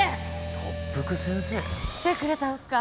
特服先生？来てくれたんすか。